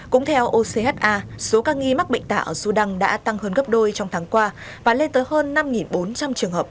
cũng theo ocha số ca nghi mắc bệnh tả ở sudan đã tăng hơn gấp đôi trong tháng qua và lên tới hơn năm bốn trăm linh trường hợp